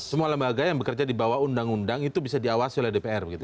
jadi semua lembaga yang bekerja di bawah undang undang itu bisa diawasi oleh dpr begitu